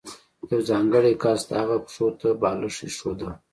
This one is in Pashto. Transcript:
یو ځانګړی کس د هغه پښو ته بالښت ایښوده.